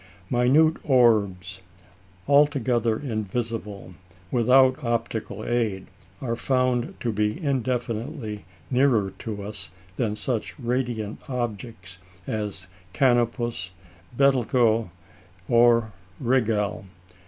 Minute orbs, altogether invisible without optical aid, are found to be indefinitely nearer to us than such radiant objects as Canopus, Betelgeux, or Rigel.